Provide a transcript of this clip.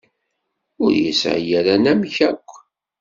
Ur yesɛi ara anamek akk.